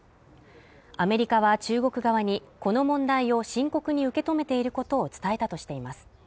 アメリカは中国側にこの問題を深刻に受け止めていることを伝えたとしています